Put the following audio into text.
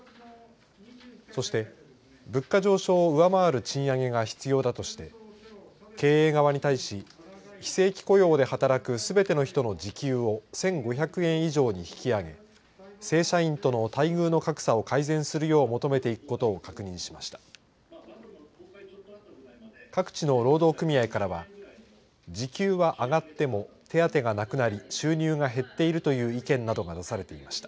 そして物価上昇を上回る賃上げが必要だとして経営側に対し非正規雇用で働くすべての人の時給を１５００円以上に引き上げ正社員との待遇の格差を改善するよう求めていくことを確認しました。